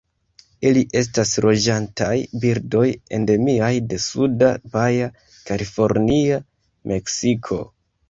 Ili estas loĝantaj birdoj endemiaj de suda Baja California, Meksiko.